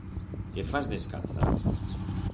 Qué fas descalza?